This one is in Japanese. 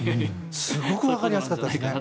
すごくわかりやすかった。